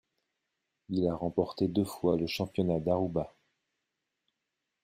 Il a remporté deux fois le championnat d'Aruba.